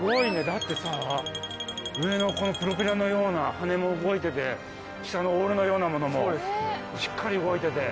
だってさ上のこのプロペラのような羽根も動いてて下のオールのようなものもしっかり動いてて。